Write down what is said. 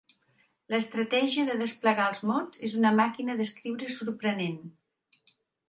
L'estratègia de desplegar els mots és una màquina d'escriure sorprenent.